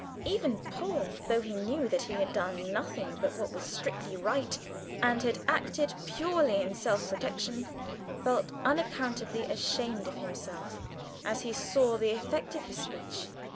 Even Paul, though he knew that he had done nothing but what was strictly right, and had acted purely in self protection, felt unaccountably ashamed of himself as he saw this effect of his speech.